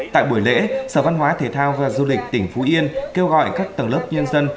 tại buổi lễ sở văn hóa thể thao và du lịch tỉnh phú yên kêu gọi các tầng lớp nhân dân